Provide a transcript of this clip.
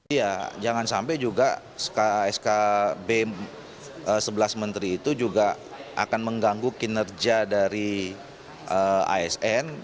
iya jangan sampai juga skb sebelas menteri itu juga akan mengganggu kinerja dari asn